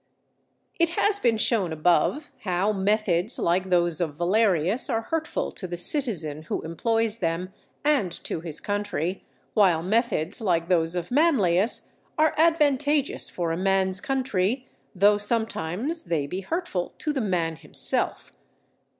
_ It has been shown above how methods like those of Valerius are hurtful to the citizen who employs them and to his country, while methods like those of Manlius are advantageous for a man's country, though sometimes they be hurtful to the man himself.